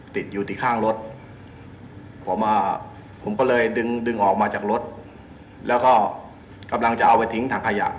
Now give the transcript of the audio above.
ติดอยู่ที่ข้างรถผมอ่ะผมก็เลยดึงดึงออกมาจากรถแล้วก็กำลังจะเอาไปทิ้งถังขยะ